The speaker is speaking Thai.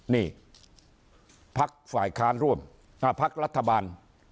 นี่พักฝ่ายค้านร่วมพักรัฐบาล